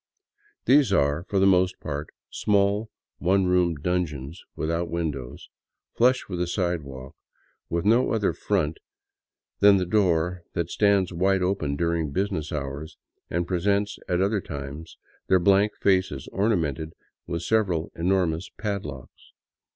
These are, for the most part, small, one room dungeons without windows, flush with the sidewalk, with no other front than the doors that stand wide open during business hours, and present at other times their blank faces ornamented with several enormous padlocks.